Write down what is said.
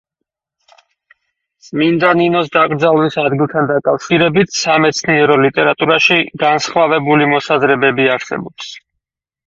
წმინდა ნინოს დაკრძალვის ადგილთან დაკავშირებით სამეცნიერო ლიტერატურაში განსხვავებული მოსაზრებები არსებობს.